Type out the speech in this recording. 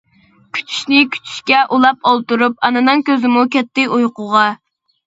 كۈتۈشنى كۈتۈشكە ئۇلاپ ئولتۇرۇپ، ئانىنىڭ كۆزىمۇ كەتتى ئۇيقۇغا.